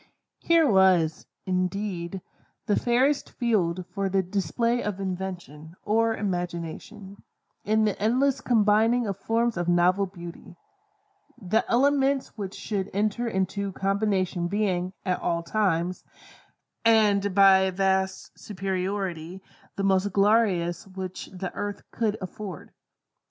Here was, indeed, the fairest field for the display of invention, or imagination, in the endless combining of forms of novel Beauty; the elements which should enter into combination being, at all times, and by a vast superiority, the most glorious which the earth could afford.